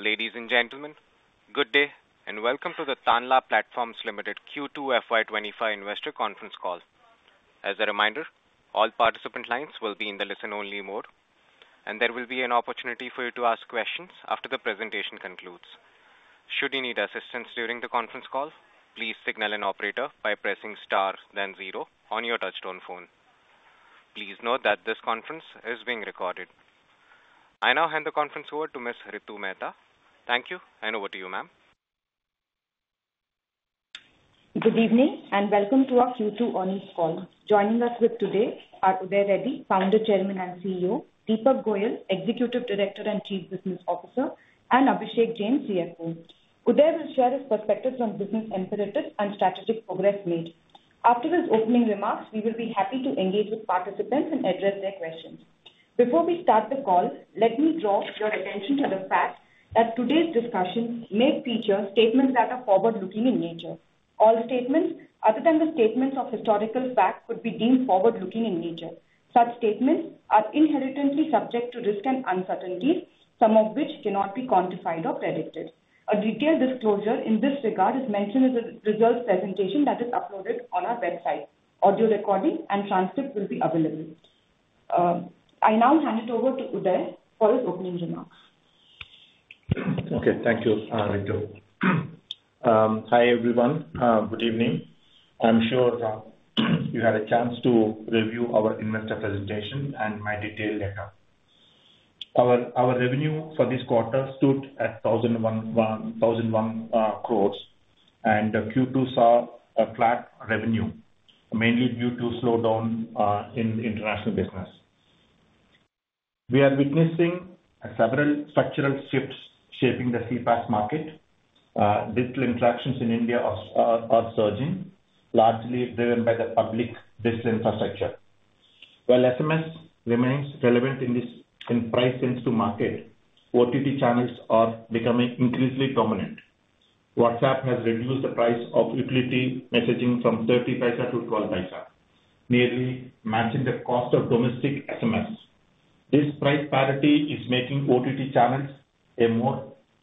Ladies and gentlemen, good day, and welcome to the Tanla Platforms Limited Q2 FY 2025 investor conference call. As a reminder, all participant lines will be in the listen-only mode, and there will be an opportunity for you to ask questions after the presentation concludes. Should you need assistance during the conference call, please signal an operator by pressing star then zero on your touchtone phone. Please note that this conference is being recorded. I now hand the conference over to Ms. Ritu Mehta. Thank you, and over to you, ma'am. Good evening, and welcome to our Q2 earnings call. Joining us today are Uday Reddy, Founder, Chairman, and CEO, Deepak Goyal, Executive Director and Chief Business Officer, and Abhishek Jain, CFO. Uday will share his perspectives on business imperatives and strategic progress made. After his opening remarks, we will be happy to engage with participants and address their questions. Before we start the call, let me draw your attention to the fact that today's discussion may feature statements that are forward-looking in nature. All the statements, other than the statements of historical fact, could be deemed forward-looking in nature. Such statements are inherently subject to risks and uncertainties, some of which cannot be quantified or predicted. A detailed disclosure in this regard is mentioned in the results presentation that is uploaded on our website. Audio recording and transcript will be available. I now hand it over to Uday for his opening remarks. Okay. Thank you, Ritu. Hi, everyone. Good evening. I'm sure you had a chance to review our investor presentation and my detailed data. Our revenue for this quarter stood at 1,011 crores, and Q2 saw a flat revenue, mainly due to slowdown in international business. We are witnessing several structural shifts shaping the CPaaS market. Digital interactions in India are surging, largely driven by the public digital infrastructure. While SMS remains relevant in this price-sensitive market, OTT channels are becoming increasingly dominant. WhatsApp has reduced the price of utility messaging from 30 paise to 12 paise, nearly matching the cost of domestic SMS. This price parity is making OTT channels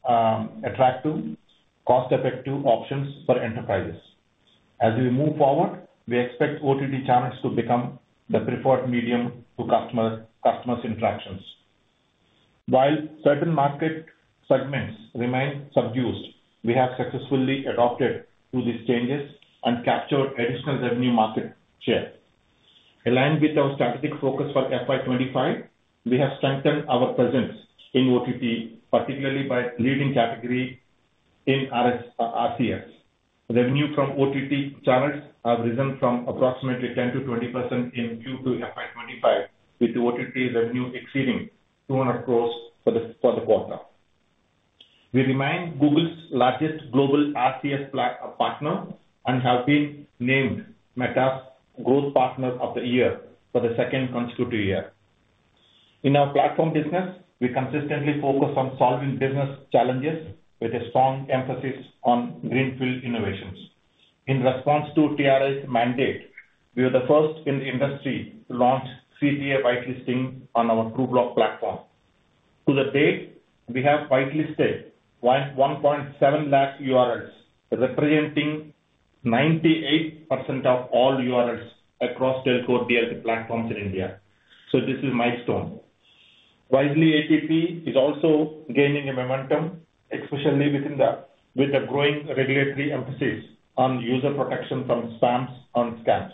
a more attractive, cost-effective option for enterprises. As we move forward, we expect OTT channels to become the preferred medium to customer's interactions. While certain market segments remain subdued, we have successfully adapted to these changes and captured additional revenue market share. Aligned with our strategic focus for FY 2025, we have strengthened our presence in OTT, particularly by leading category in RCS. Revenue from OTT channels have risen from approximately 10%-20% in Q2 FY 2025, with the OTT revenue exceeding 200 crores for the quarter. We remain Google's largest global RCS partner and have been named Meta's Growth Partner of the Year for the second consecutive year. In our platform business, we consistently focus on solving business challenges with a strong emphasis on greenfield innovations. In response to TRAI's mandate, we were the first in the industry to launch CTA whitelisting on our Trubloq platform. To date, we have whitelisted 1.7 lakh URLs, representing 98% of all URLs across telco DLT platforms in India. So this is a milestone. Wisely ATP is also gaining a momentum, especially within the... With the growing regulatory emphasis on user protection from spams and scams.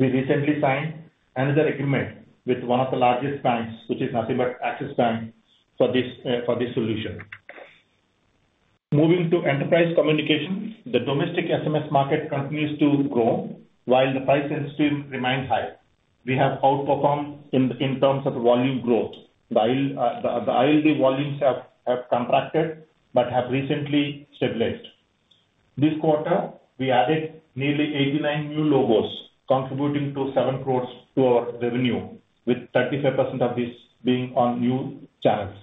We recently signed another agreement with one of the largest banks, which is nothing but Axis Bank, for this solution. Moving to enterprise communications, the domestic SMS market continues to grow while the price sensitivity remains high. We have outperformed in terms of volume growth. The ILD volumes have contracted but have recently stabilized. This quarter, we added nearly 89 new logos, contributing 7 crores to our revenue, with 35% of this being on new channels.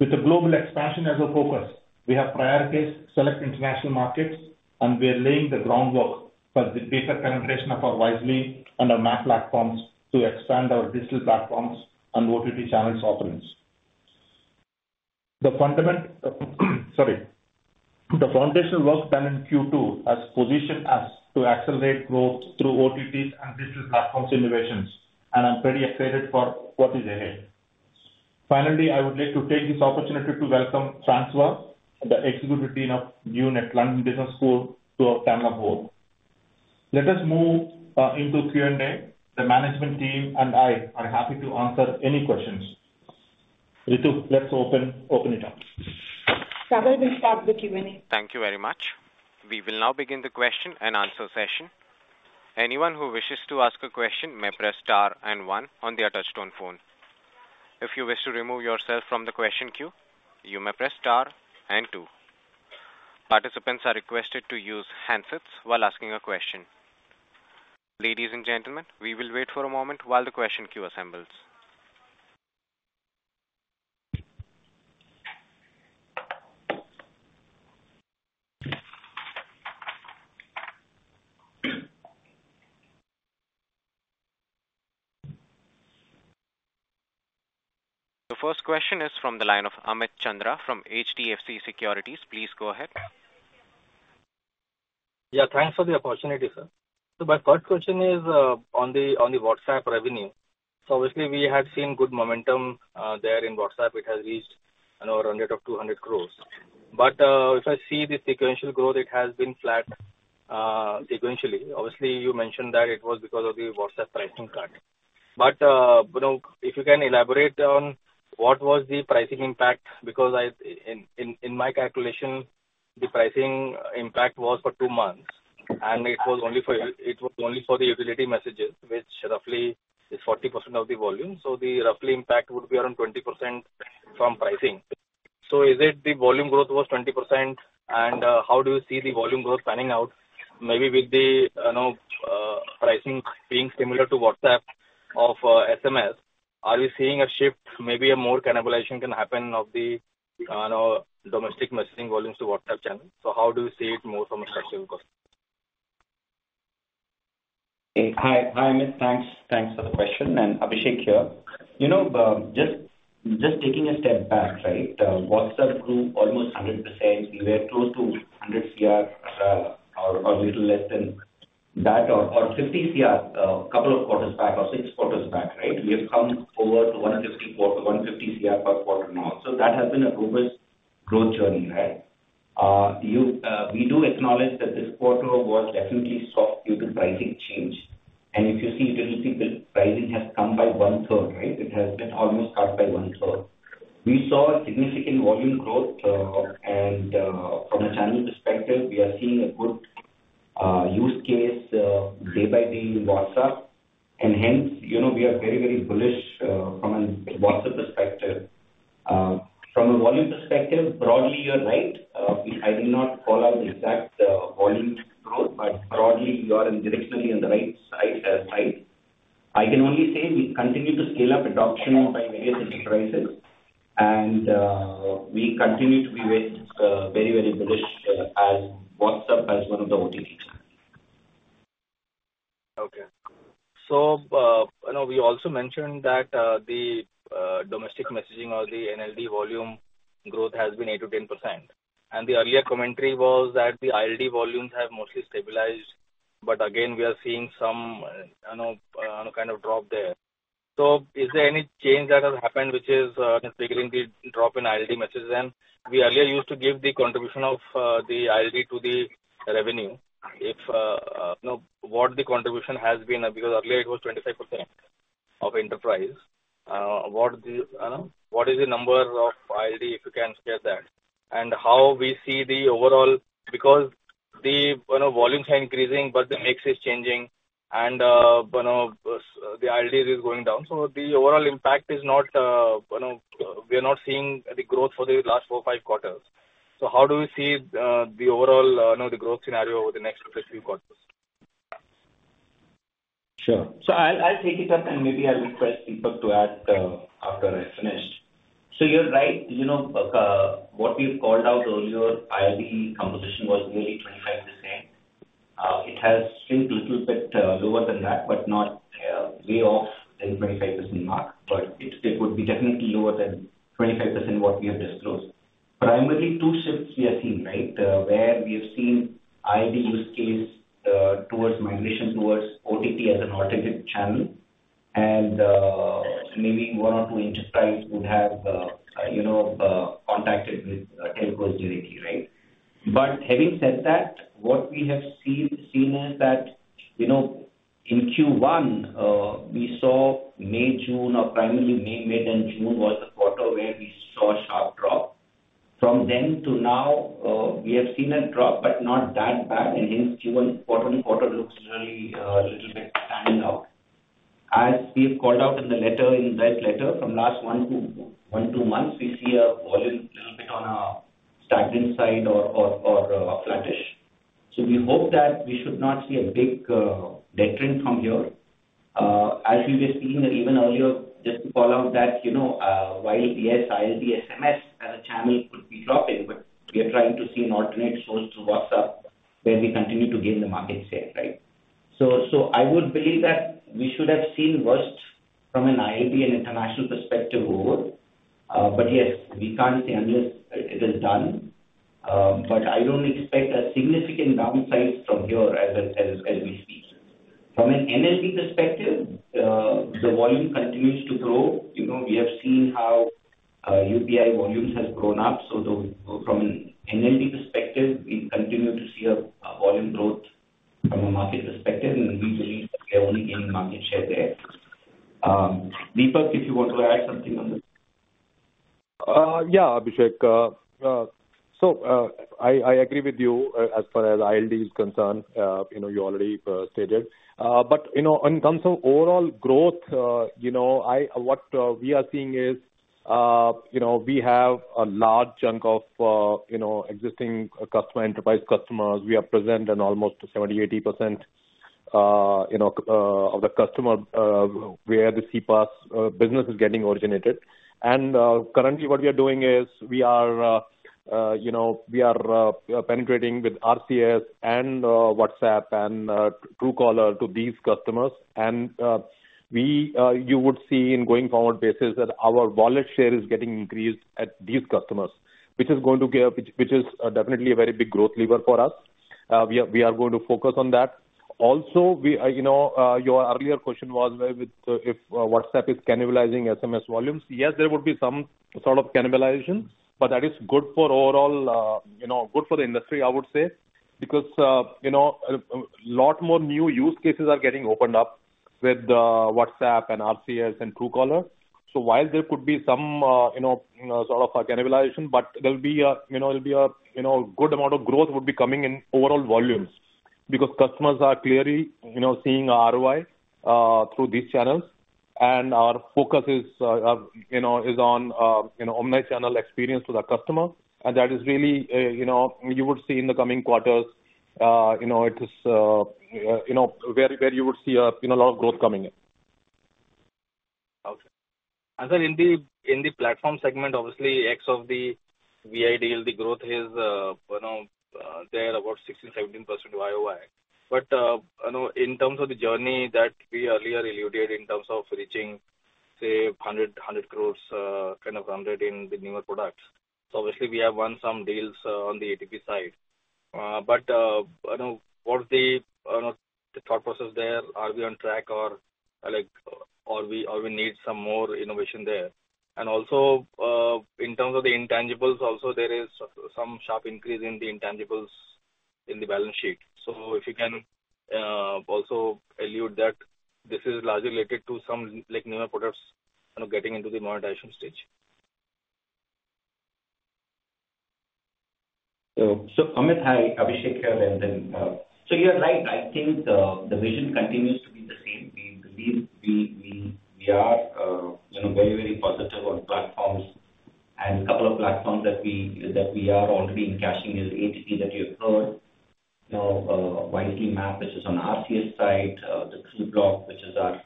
With the global expansion as a focus, we have prioritized select international markets, and we are laying the groundwork for the better penetration of our Wisely and our MaaP platforms to expand our digital platforms and OTT channels offerings. The foundational work done in Q2 has positioned us to accelerate growth through OTTs and digital platforms innovations, and I'm very excited for what is ahead. Finally, I would like to take this opportunity to welcome Francois, the Executive Dean of London Business School, to our Tanla board. Let us move into Q&A. The management team and I are happy to answer any questions. Ritu, let's open it up. Uday, we'll start the Q&A. Thank you very much. We will now begin the question and answer session. Anyone who wishes to ask a question may press star and one on their touchtone phone. If you wish to remove yourself from the question queue, you may press star and two. Participants are requested to use handsets while asking a question. Ladies and gentlemen, we will wait for a moment while the question queue assembles.... The first question is from the line of Amit Chandra from HDFC Securities. Please go ahead. Yeah, thanks for the opportunity, sir. So my first question is on the WhatsApp revenue. So obviously, we have seen good momentum there in WhatsApp. It has reached an order of 200 crores. But if I see the sequential growth, it has been flat sequentially. Obviously, you mentioned that it was because of the WhatsApp pricing cut. But you know, if you can elaborate on what was the pricing impact, because in my calculation, the pricing impact was for two months, and it was only for the utility messages, which roughly is 40% of the volume. So the roughly impact would be around 20% from pricing. So is it the volume growth was 20%, and how do you see the volume growth panning out? Maybe with the, you know, pricing being similar to WhatsApp or SMS, are we seeing a shift, maybe or more cannibalization can happen of the, you know, domestic messaging volumes to WhatsApp channel? So how do you see it more from a structural cost? Hi, Amit. Thanks for the question, and Abhishek here. You know, just taking a step back, right? The WhatsApp grew almost 100%. We were close to 100 CR, or little less than that, or 50 CR, couple of quarters back or six quarters back, right? We have come forward to 150 CR per quarter now. So that has been a robust growth journey, right? We do acknowledge that this quarter was definitely soft due to pricing change. And if you see, you can see the pricing has come by one-third, right? It has been almost cut by one-third. We saw a significant volume growth, and from a channel perspective, we are seeing a good use case day by day in WhatsApp, and hence, you know, we are very, very bullish from a WhatsApp perspective. From a volume perspective, broadly, you're right. I will not call out the exact volume growth, but broadly, you are directionally on the right side. I can only say we continue to scale up adoption by various enterprises, and we continue to be very, very, very bullish on WhatsApp as one of the OTTs. Okay. So, you know, we also mentioned that, the domestic messaging or the NLD volume growth has been 8%-10%. And the earlier commentary was that the ILD volumes have mostly stabilized, but again, we are seeing some, you know, kind of drop there. So is there any change that has happened which is, triggering the drop in ILD messages? And we earlier used to give the contribution of, the ILD to the revenue. If, you know, what the contribution has been, because earlier it was 25% of enterprise. What is the number of ILD, if you can share that? And how we see the overall... Because the, you know, volumes are increasing, but the mix is changing and, you know, the ILDs is going down. So the overall impact is not, you know, we are not seeing the growth for the last four, five quarters. So how do you see the overall, you know, the growth scenario over the next two to three quarters? Sure. So I'll take it up, and maybe I'll request Deepak to add after I finish. So you're right, you know, what we've called out earlier, ILD composition was nearly 25%. It has seemed little bit lower than that, but not way off than 25% mark. But it would be definitely lower than 25% what we have disclosed. Primarily, two shifts we have seen, right? Where we have seen ILD use case towards migration towards OTT as an alternative channel. And maybe one or two enterprises would have, you know, contacted with telcos directly, right? But having said that, what we have seen is that, you know, in Q1, we saw May, mid, and June was a quarter where we saw a sharp drop. From then to now, we have seen a drop, but not that bad, and hence, Q1 quarter-on-quarter looks really little bit standing out. As we have called out in the letter, in that letter, from last one to two months, we see a volume little bit on a stagnant side or flattish. So we hope that we should not see a big decline from here. As you were seeing even earlier, just to call out that, you know, while yes, ILD SMS as a channel could be dropping, but we are trying to see an alternate source to WhatsApp, where we continue to gain the market share, right? So I would believe that we should have seen worse from an ILD and international perspective over. But yes, we can't say unless it is done, but I don't expect a significant downside from here as it, as we speak. From an NLD perspective, the volume continues to grow. You know, we have seen how UPI volumes has grown up. From an NLD perspective, we continue to see a volume growth from a market perspective, and we believe we are only gaining market share there. Deepak, if you want to add something on this. Yeah, Abhishek. So, I agree with you, as far as ILD is concerned, you know, you already stated, but you know, in terms of overall growth, you know, what we are seeing is, you know, we have a large chunk of, you know, existing customer, enterprise customers. We are present in almost 70-80%.... you know, of the customer, where the CPaaS business is getting originated. And, currently, what we are doing is we are, you know, we are penetrating with RCS and, WhatsApp and, Truecaller to these customers. And, we, you would see in going forward basis that our wallet share is getting increased at these customers, which is going to give-- which, which is, definitely a very big growth lever for us. We are going to focus on that. Also, we, you know, your earlier question was, with, if, WhatsApp is cannibalizing SMS volumes. Yes, there would be some sort of cannibalization, but that is good for overall, you know, good for the industry, I would say. Because, you know, a lot more new use cases are getting opened up with WhatsApp and RCS and Truecaller. So while there could be some, you know, sort of a cannibalization, but there will be a, you know, good amount of growth would be coming in overall volumes. Because customers are clearly, you know, seeing ROI through these channels. And our focus is, you know, on, you know, omni-channel experience to the customer. And that is really, you know, you would see in the coming quarters, you know, it is, you know, where you would see a, you know, a lot of growth coming in. Okay. And then in the platform segment, obviously, VI DLT, the growth is, you know, there about 16-17% YOY. But, you know, in terms of the journey that we earlier alluded in terms of reaching, say, 100 crores kind of run rate in the newer products. So obviously, we have won some deals on the ATP side. But, I know what's the thought process there. Are we on track or, like, or we need some more innovation there? And also, in terms of the intangibles also, there is some sharp increase in the intangibles in the balance sheet. So if you can also allude that this is largely related to some, like, newer products, you know, getting into the monetization stage. Amit, hi, Abhishek here. So you're right. I think the vision continues to be the same. We believe we are, you know, very positive on platforms. And a couple of platforms that we are already cashing is ATP, that you have heard. You know, MaaP, which is on RCS side, the Truecaller, which is our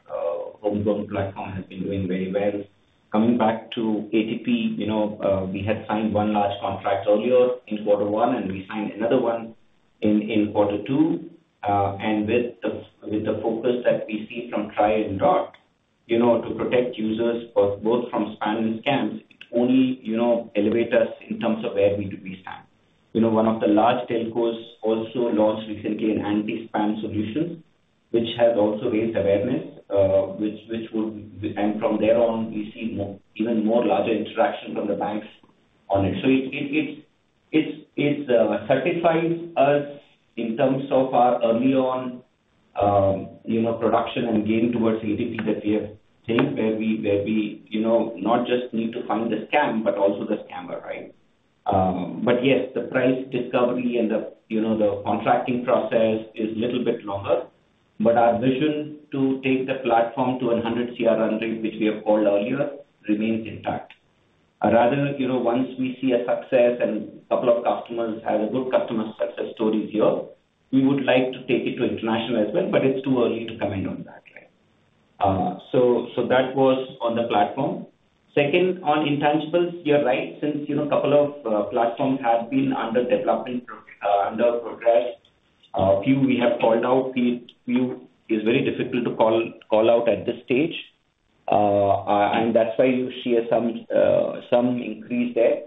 homegrown platform, has been doing very well. Coming back to ATP, you know, we had signed one large contract earlier in quarter one, and we signed another one in quarter two. And with the focus that we see from TRAI and DoT, you know, to protect users both from spam and scams, it only, you know, elevate us in terms of where we B2B stand. You know, one of the large telcos also launched recently an anti-spam solution, which has also raised awareness, which would. And from there on, we see more, even more larger interaction from the banks on it. So it satisfies us in terms of our early on, you know, production and gain towards ATP that we have taken, where we, you know, not just need to find the scam, but also the scammer, right? But yes, the price discovery and the, you know, the contracting process is little bit longer. But our vision to take the platform to 100 CR run rate, which we have called earlier, remains intact. Rather, you know, once we see a success and couple of customers have a good customer success stories here, we would like to take it to international as well, but it's too early to comment on that, right? So, so that was on the platform. Second, on intangibles, you're right, since, you know, couple of platforms have been under development, under progress, few we have called out, few is very difficult to call out at this stage. And that's why you see, some increase there.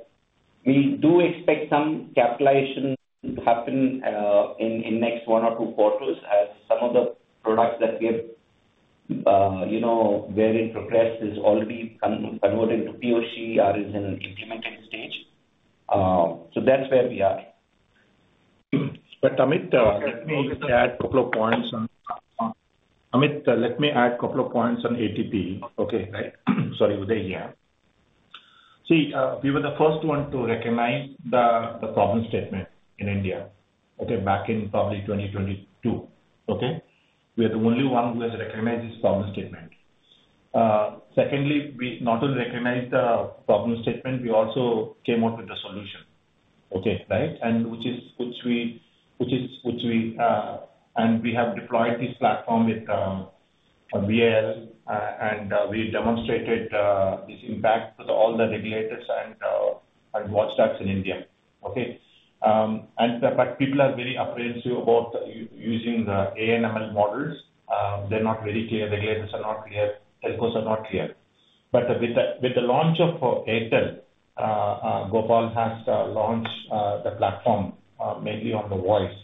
We do expect some capitalization to happen, in next one or two quarters, as some of the products that we have, you know, were in progress, is already converted to POC, or is in an implemented stage. So that's where we are. Amit, let me add a couple of points on ATP, okay, right? Sorry, Uday here. See, we were the first one to recognize the problem statement in India, okay? We are the only one who has recognized this problem statement. Secondly, we not only recognized the problem statement, we also came out with a solution, okay, right? And we have deployed this platform with VI, and we demonstrated this impact with all the regulators and WhatsApp starts in India, okay? But people are very apprehensive about using the AI/ML models. They're not very clear, regulators are not clear, telcos are not clear. But with the launch of Airtel, Gopal has launched the platform mainly on the voice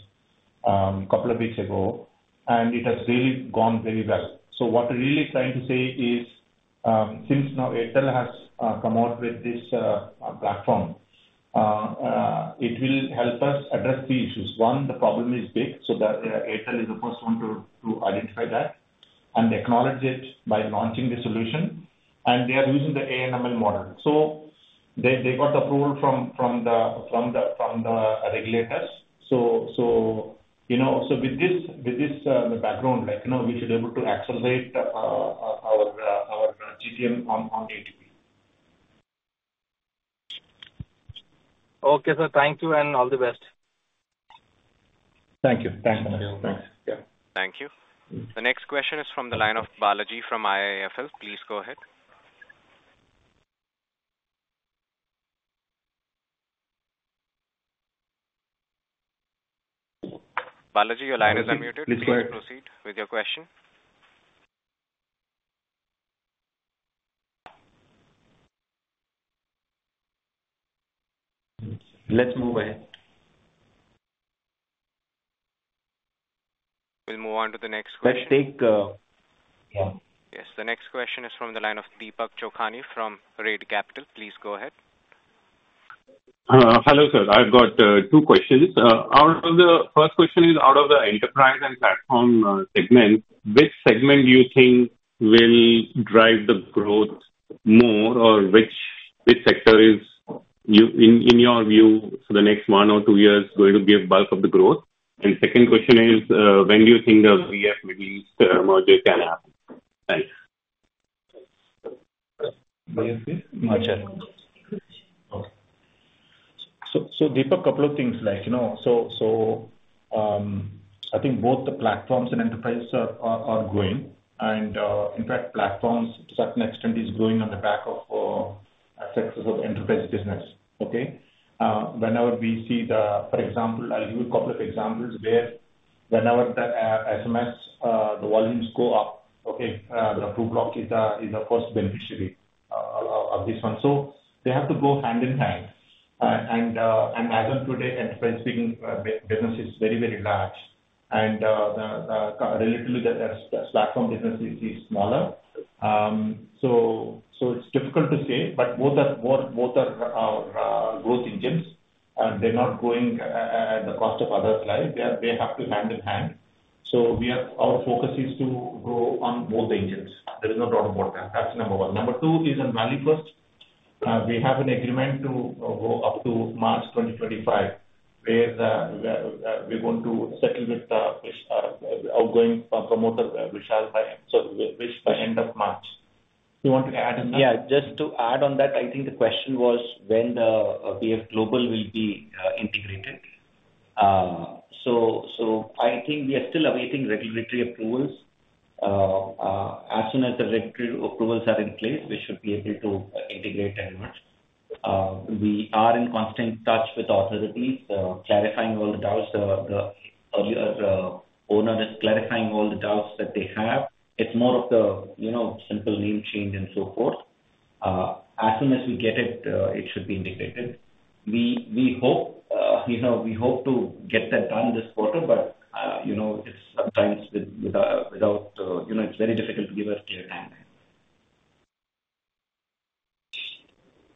couple of weeks ago, and it has really gone very well. So what we're really trying to say is, since now Airtel has come out with this platform, it will help us address the issues. One, the problem is big, so Airtel is the first one to identify that and acknowledge it by launching the solution. And they are using the ANML model. So they got approval from the regulators. So, you know, so with this background, like, you know, we should be able to accelerate our CTM on ATP. ... Okay, sir, thank you, and all the best. Thank you. Thanks, Manav, thanks. Yeah. Thank you. The next question is from the line of Balaji from IIFL. Please go ahead. Balaji, your line is unmuted. Please go ahead. Please proceed with your question. Let's move ahead. We'll move on to the next question. Let's take, yeah. Yes, the next question is from the line of Deepak Chokhani from Red Capital. Please go ahead. Hello, sir. I've got two questions. First question is, out of the enterprise and platform segment, which segment do you think will drive the growth more? Or which sector is you, in your view, for the next one or two years, going to give bulk of the growth? And second question is, when do you think the VF Global merger can happen? Thanks. VF merger. Okay. So, Deepak, couple of things, like, you know, so, I think both the platforms and enterprise are growing. And, in fact, platforms to a certain extent is growing on the back of success of enterprise business. Okay? Whenever we see the... For example, I'll give you a couple of examples where whenever the SMS volumes go up, okay, the Truecaller is the first beneficiary of this one. So they have to go hand in hand. And as of today, enterprise business is very, very large, and relatively, the platform business is smaller. It's difficult to say, but both are growth engines, and they're not growing at the cost of others, like. They go hand in hand. Our focus is to grow on both engines. There is no doubt about that. That's number one. Number two is on ValueFirst. We have an agreement to go up to March twenty twenty-five, where we're going to settle with the outgoing promoter, Vishal, by end of March. Do you want to add on that? Yeah, just to add on that, I think the question was when the VF Global will be integrated. So I think we are still awaiting regulatory approvals. As soon as the regulatory approvals are in place, we should be able to integrate and merge. We are in constant touch with authorities clarifying all the doubts. The owner is clarifying all the doubts that they have. It's more of the, you know, simple name change and so forth. As soon as we get it, it should be indicated. We hope, you know, we hope to get that done this quarter, but, you know, it's sometimes with, without, you know, it's very difficult to give a clear timeline.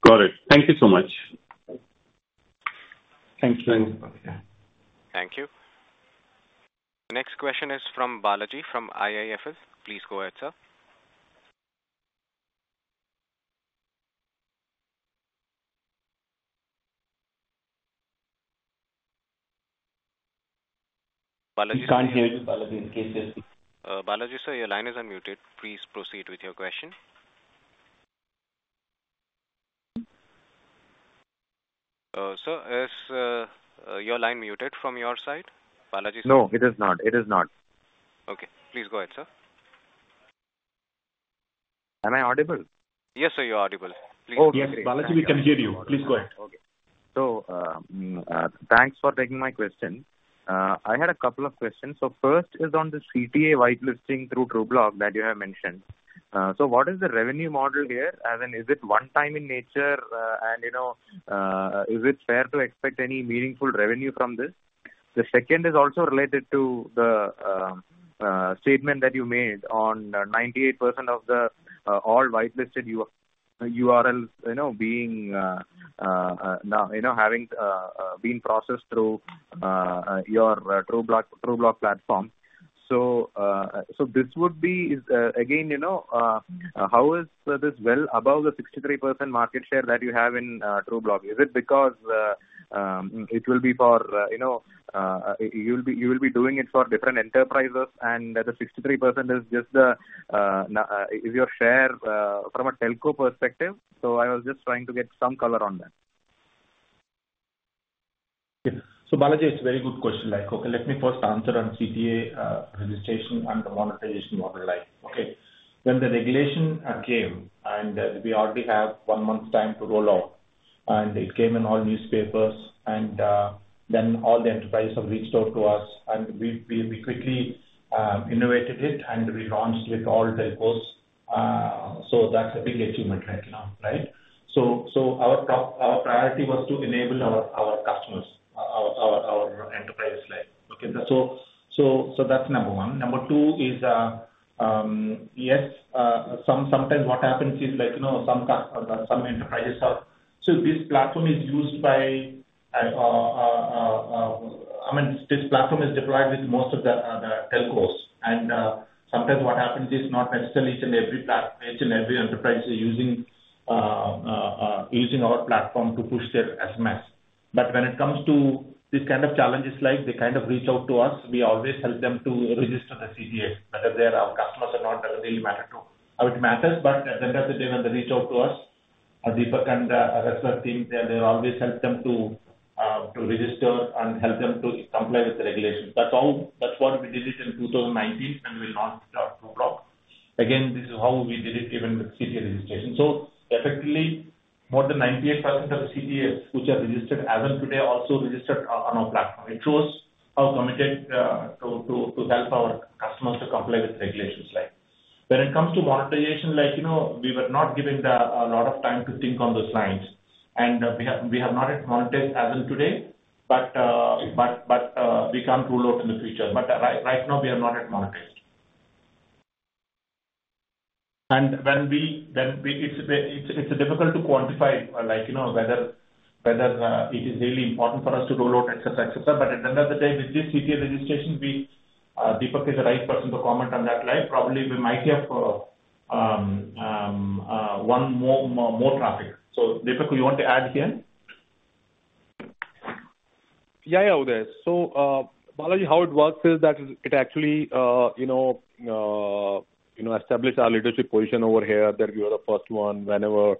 Got it. Thank you so much. Thank you. Thank you. Thank you. The next question is from Balaji from IIFL. Please go ahead, sir. Balaji? We can't hear you, Balaji, in case- Balaji, sir, your line is unmuted. Please proceed with your question. Sir, is your line muted from your side, Balaji, sir? No, it is not. It is not. Okay. Please go ahead, sir. Am I audible? Yes, sir, you're audible. Please- Yes, Balaji, we can hear you. Please go ahead. Okay. So, thanks for taking my question. I had a couple of questions. So first is on the CTA whitelisting through Truecaller that you have mentioned. So what is the revenue model here? And then is it one time in nature, and, you know, is it fair to expect any meaningful revenue from this? The second is also related to the statement that you made on 98% of the all whitelisted URL, you know, being now, you know, having been processed through your Truecaller platform. So, this would be, again, you know, how is this well above the 63% market share that you have in Truecaller? Is it because it will be for, you know, you'll be doing it for different enterprises and that the 63% is just the is your share from a telco perspective? So I was just trying to get some color on that. Yeah. So, Balaji, it's a very good question, like, okay, let me first answer on CTA registration and the monetization model, like, okay. When the regulation came, and we already have one month time to roll out, and it came in all newspapers, and then all the enterprises have reached out to us, and we quickly innovated it, and we launched with all telcos. So that's a big achievement right now, right? So our priority was to enable our customers, our enterprise clients. Okay? So that's number one. Number two is, yes, sometimes what happens is, like, you know, some enterprises are... So this platform is used by, I mean, this platform is deployed with most of the telcos. And, sometimes what happens is, not necessarily each and every platform, each and every enterprise is using our platform to push their SMS. But when it comes to these kind of challenges, like, they kind of reach out to us, we always help them to register the CTA, whether they are our customers or not, doesn't really matter, it matters, but at the end of the day, when they reach out to us, Deepak and rest of our team, they always help them to-... to register and help them to comply with the regulations. That's how, that's what we did it in two thousand and nineteen, and we launched our two products. Again, this is how we did it even with CTA registration. So effectively, more than 98% of the CTAs which are registered as of today, also registered on our platform. It shows how committed to help our customers to comply with the regulations like. When it comes to monetization, like, you know, we were not given a lot of time to think on those lines. And we have not yet monetized as of today, but we can't rule out in the future. But right now, we are not yet monetized. It's difficult to quantify, like, you know, whether it is really important for us to roll out, et cetera, et cetera. But at the end of the day, with this CTA registration, Deepak is the right person to comment on that line. Probably we might have more traffic. So, Deepak, you want to add here? Yeah, yeah, Uday. So, Balaji, how it works is that it actually, you know, you know, established our leadership position over here, that we are the first one whenever,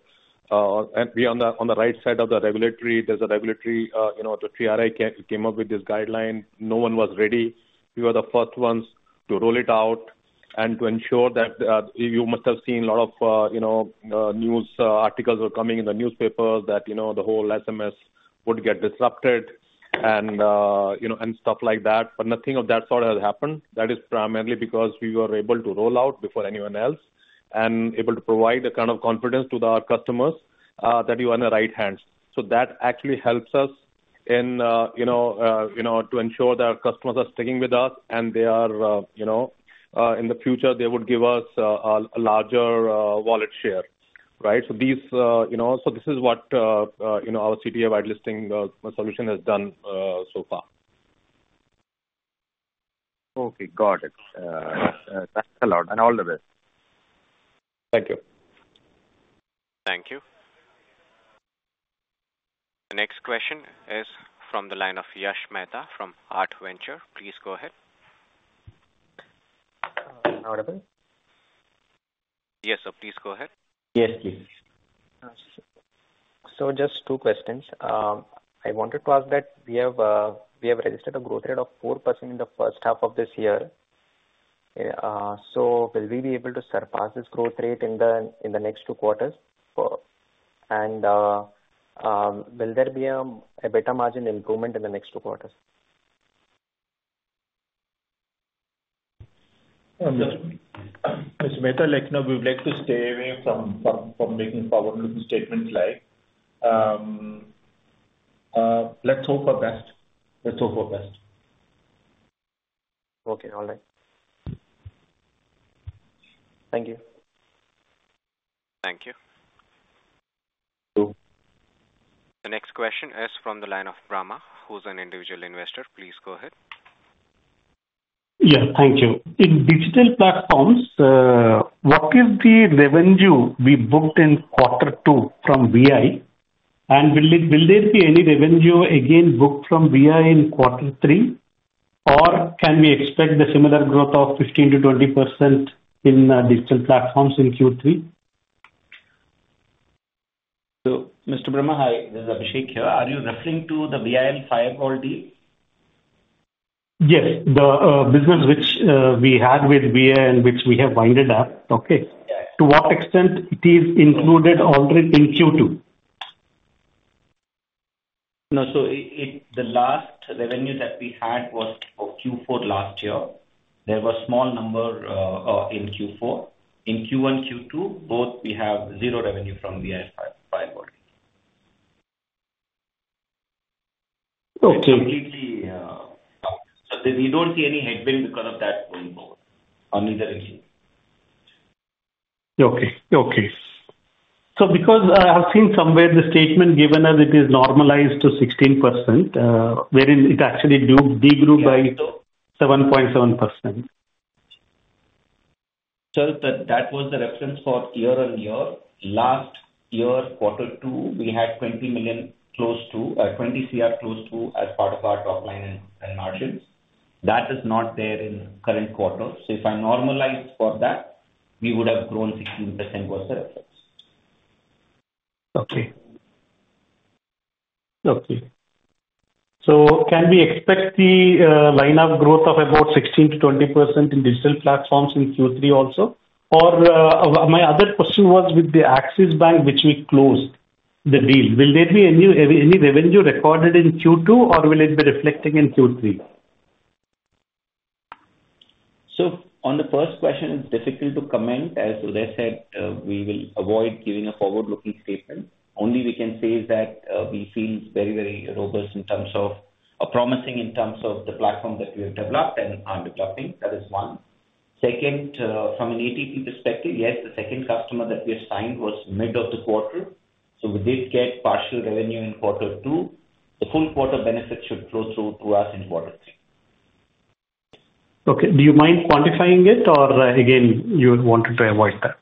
and we on the, on the right side of the regulatory. There's a regulatory, you know, the TRAI came up with this guideline. No one was ready. We were the first ones to roll it out and to ensure that, you must have seen a lot of, you know, news, articles were coming in the newspaper that, you know, the whole SMS would get disrupted and, you know, and stuff like that, but nothing of that sort has happened. That is primarily because we were able to roll out before anyone else and able to provide a kind of confidence to our customers that you are in the right hands. So that actually helps us in, you know, to ensure that our customers are sticking with us, and they are, you know, in the future, they would give us a larger wallet share, right? So these, you know, so this is what, you know, our CTA whitelisting solution has done so far. Okay, got it. Thanks a lot, and all the best. Thank you. Thank you. The next question is from the line of Yash Mehta from Artventure. Please go ahead. Uh, audible? Yes, sir, please go ahead. Yes, please. So just two questions. I wanted to ask that we have registered a growth rate of 4% in the first half of this year. So will we be able to surpass this growth rate in the next two quarters for...? And will there be a better margin improvement in the next two quarters? Mr. Mehta, like, you know, we would like to stay away from making forward-looking statements like, let's hope for best. Let's hope for best. Okay, all right. Thank you. Thank you. Thank you. The next question is from the line of Brahma, who's an individual investor. Please go ahead. Yeah, thank you. In digital platforms, what is the revenue we booked in quarter two from VI? And will there be any revenue again, booked from VI in quarter three, or can we expect the similar growth of 15%-20% in digital platforms in Q3? Mr. Brahma, hi, this is Abhishek here. Are you referring to the VI Firecore deal? Yes. The business which we had with VI and which we have wound up, okay? Yeah. To what extent it is included already in Q2? No, so the last revenue that we had was for Q4 last year. There was small number in Q4. In Q1, Q2, both we have zero revenue from VI Firecore. Okay. It completely. So we don't see any headwind because of that going forward on either issue. Okay, okay. So because I have seen somewhere the statement given as it is normalized to 16%, wherein it actually do, degrew by 7.7%. Sir, that was the reference for year on year. Last year, quarter two, we had 20 million, close to 20 CR, close to, as part of our top line and margins. That is not there in current quarter. So if I normalize for that, we would have grown 16% versus last. Okay. Okay. So can we expect the line of growth of about 16%-20% in digital platforms in Q3 also? Or, my other question was with the Axis Bank, which we closed the deal. Will there be any revenue recorded in Q2, or will it be reflecting in Q3? On the first question, it's difficult to comment. As Uday said, we will avoid giving a forward-looking statement. Only we can say is that, we feel very, very robust in terms of... promising in terms of the platform that we have developed and under developing. That is one. Second, from an ATP perspective, yes, the second customer that we have signed was mid of the quarter, so we did get partial revenue in quarter two. The full quarter benefit should flow through to us in quarter three. Okay. Do you mind quantifying it, or, again, you wanted to avoid that?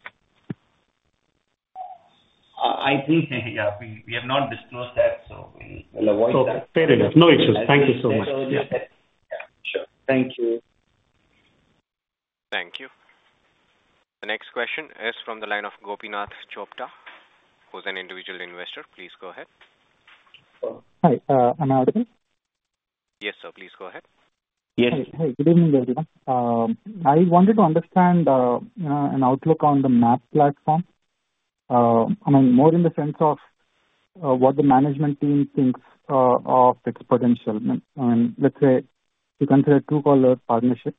I think, yeah, we have not disclosed that, so we will avoid that. Okay, fair enough. No issues. Thank you so much. Yeah. Sure. Thank you.... is from the line of Gopinath Chopta, who's an individual investor. Please go ahead. Hi, Amara? Yes, sir, please go ahead. Yes. Hey, good evening, everyone. I wanted to understand an outlook on the MaaP platform. I mean, more in the sense of, what the management team thinks of its potential. I mean, let's say you consider Truecaller partnership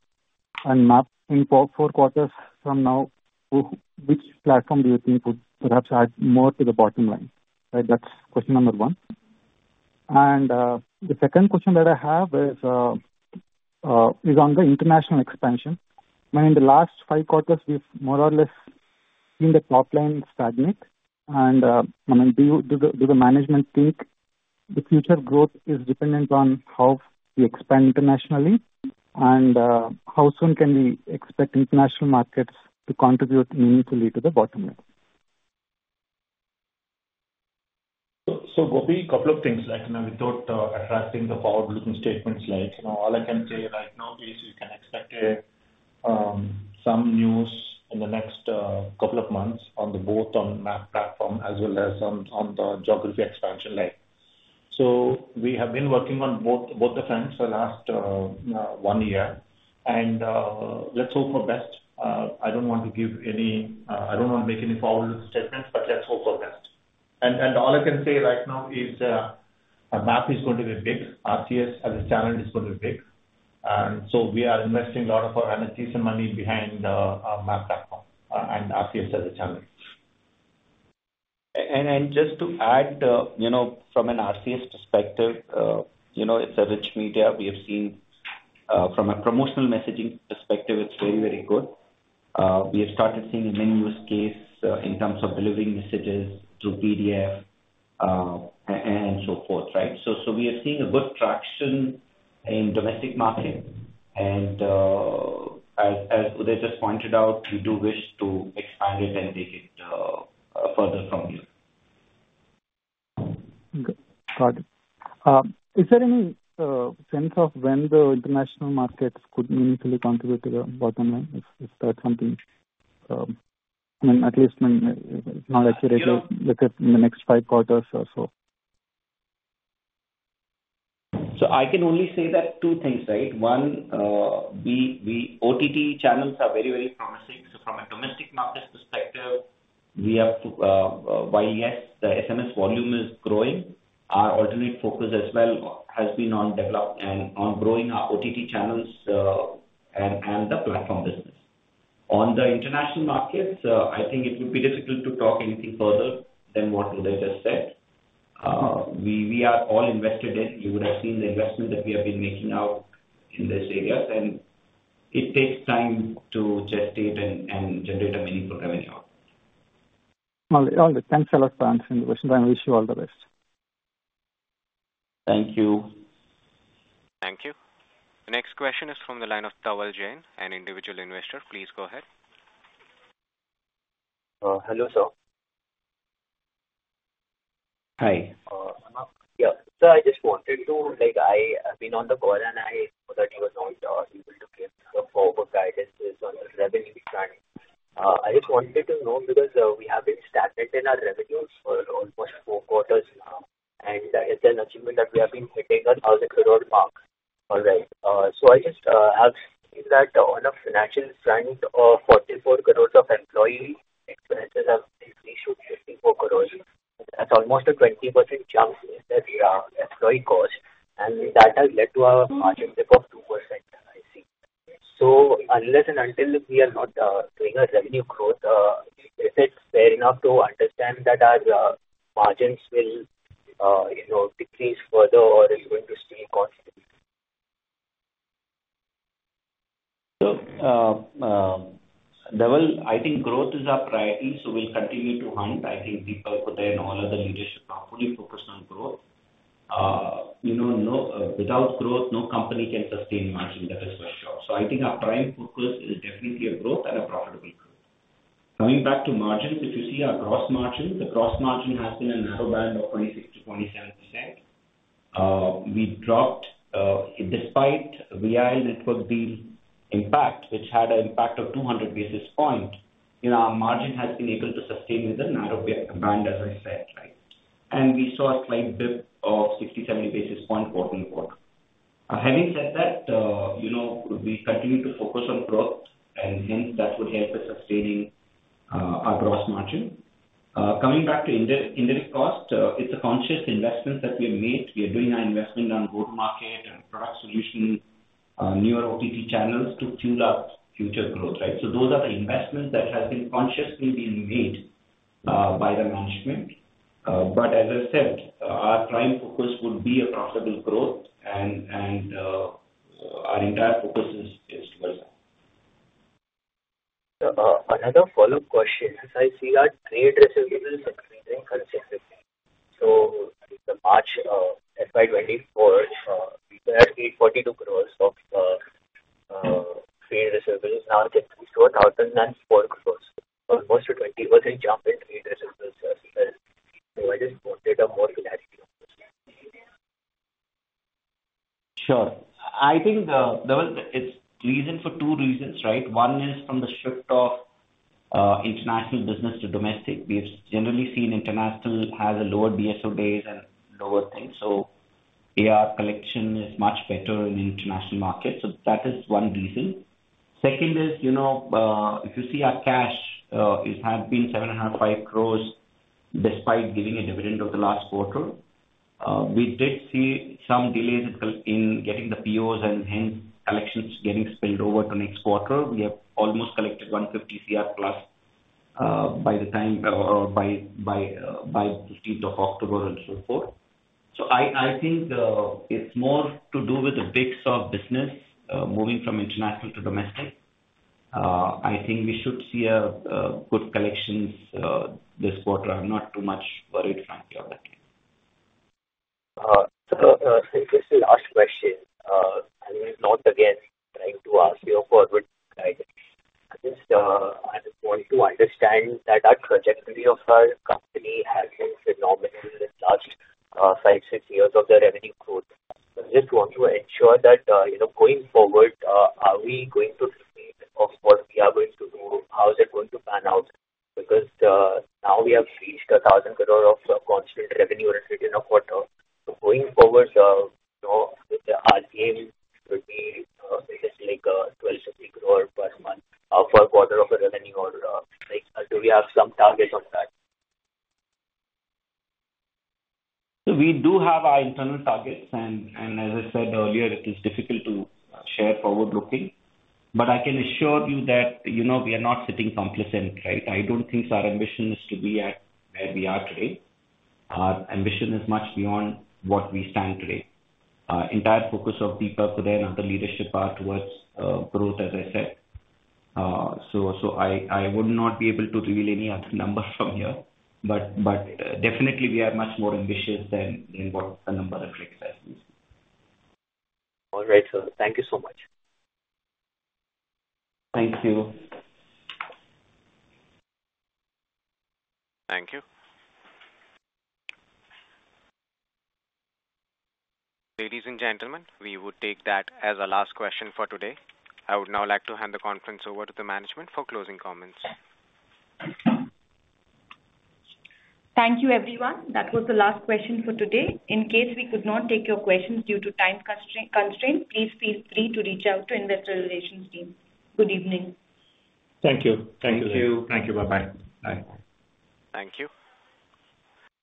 and MaaP in four quarters from now, which platform do you think would perhaps add more to the bottom line? Right, that's question number one. And, the second question that I have is on the international expansion. I mean, in the last five quarters, we've more or less seen the top line stagnate. And, I mean, do the management think the future growth is dependent on how we expand internationally? And, how soon can we expect international markets to contribute meaningfully to the bottom line? So, Gopi, couple of things, like, you know, without attracting the forward-looking statements, like, you know, all I can say right now is you can expect some news in the next couple of months on both the MaaP platform, as well as on the geography expansion line. We have been working on both the fronts for the last one year, and let's hope for best. I don't want to give any. I don't want to make any forward statements, but let's hope for best. All I can say right now is MaaP is going to be big. RCS as a channel is going to be big. We are investing a lot of our R&D and money behind our MaaP platform and RCS as a channel. And just to add, you know, from an RCS perspective, you know, it's a rich media. We have seen, from a promotional messaging perspective, it's very, very good. We have started seeing a many use case, in terms of delivering messages through PDF, and so forth, right? So, we are seeing a good traction in domestic market, and, as they just pointed out, we do wish to expand it and take it further from here. Good. Got it. Is there any sense of when the international markets could meaningfully contribute to the bottom line? If that's something, I mean, at least, I mean, not actually look at in the next five quarters or so. So I can only say that two things, right? One, OTT channels are very, very promising. So from a domestic market perspective, we have to, while, yes, the SMS volume is growing, our alternative focus as well has been on developing and on growing our OTT channels, and the platform business. On the international markets, I think it would be difficult to talk anything further than what Uday just said. We are all invested in. You would have seen the investment that we have been making out in these areas, and it takes time to gestate and generate a meaningful revenue out. All right. Thanks a lot for answering the questions, and I wish you all the best. Thank you. Thank you. The next question is from the line of Dhaval Jain, an individual investor. Please go ahead. Hello, sir. Hi. Yeah. So I just wanted to, like, I've been on the call, and I know that you were not able to give the forward guidance on the revenue front. I just wanted to know, because we have been stagnant in our revenues for almost four quarters now, and it's an achievement that we have been hitting a 1,000 crore mark. All right. So I just have seen that on a financial front, 44 crores of employee expenses have increased to 54 crores. That's almost a 20% jump in the employee cost, and that has led to our margin dip of 2%, I think. So unless and until we are not doing a revenue growth, is it fair enough to understand that our margins will, you know, decrease further or is going to stay constant? So, Tawal, I think growth is our priority, so we'll continue to hunt. I think Deepak, Uday and all other leadership are fully focused on growth. You know, no, without growth, no company can sustain margin, that is for sure. So I think our prime focus is definitely a growth and a profitable growth. Coming back to margin, if you see our gross margin, the gross margin has been a narrow band of 26-27%. We dropped, despite VI Network deal impact, which had an impact of 200 basis points, you know, our margin has been able to sustain with the narrow band, as I said, right? And we saw a slight dip of 60-70 basis points quarter on quarter. Having said that, you know, we continue to focus on growth, and hence, that would help us sustaining our gross margin. Coming back to indirect cost, it's a conscious investment that we have made. We are doing our investment on go-to-market and product solution, newer OTT channels to fuel our future growth, right? So those are the investments that has been consciously being made by the management. But as I said, our prime focus would be a profitable growth and our entire focus is towards that. Another follow-up question. As I see, our trade receivables are increasing consistently. So in the March FY 2024, we were at 842 crores of trade receivables. Now, it increased to 1,004 crores. Almost a 20% jump in trade receivables as well. So I just wanted a more clarity on this.... Sure. I think there are two reasons, right? One is from the shift of international business to domestic. We've generally seen international has a lower DSO base and lower things, so AR collection is much better in international markets, so that is one reason. Second is, you know, if you see our cash, it has been 75 crores, despite giving a dividend of the last quarter. We did see some delays in getting the POs and hence collections getting spilled over to next quarter. We have almost collected 150 CR plus, by the fifteenth of October and so forth. So I think, it's more to do with the mix of business, moving from international to domestic. I think we should see a good collections this quarter. I'm not too much worried, frankly, about it. Sir, this is the last question. And it's not, again, trying to ask you for forward guidance. I just want to understand that our trajectory of our company has been phenomenal in the last five, six years of the revenue growth. I just want to ensure that, you know, going forward, are we going to see what we are going to do? How is it going to pan out? Because now we have reached 1,000 crore constant revenue run rate per quarter. So going forward, you know, with the RPM, it would be like INR 1,250 crore per month, per quarter of the revenue or, like, do we have some target on that? So we do have our internal targets, and as I said earlier, it is difficult to share forward-looking. But I can assure you that, you know, we are not sitting complacent, right? I don't think our ambition is to be at where we are today. Our ambition is much beyond what we stand today. Entire focus of Deepak today and the leadership are towards growth, as I said. So I would not be able to reveal any other number from here, but definitely, we are much more ambitious than in what the number reflects as is. All right, sir. Thank you so much. Thank you. Thank you. Ladies and gentlemen, we would take that as a last question for today. I would now like to hand the conference over to the management for closing comments. Thank you, everyone. That was the last question for today. In case we could not take your questions due to time constraint, please feel free to reach out to investor relations team. Good evening. Thank you. Thank you. Thank you. Thank you. Bye-bye. Bye. Thank you.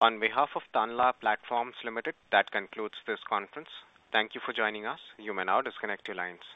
On behalf of Tanla Platforms Limited, that concludes this conference. Thank you for joining us. You may now disconnect your lines.